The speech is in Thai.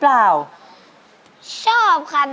หาร้องหน่อย